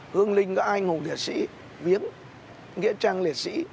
hương linh các anh hùng liệt sĩ viếng nghĩa trang liệt sĩ